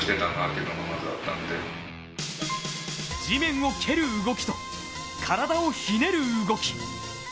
地面を蹴る動きと体をひねる動き。